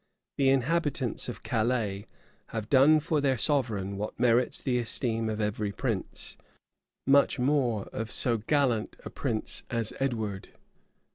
The inhabitants of Calais have done for their sovereign what merits the esteem of every prince; much more of so gallant a prince as Edward.